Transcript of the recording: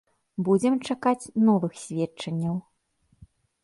Будзем чакаць новых сведчанняў.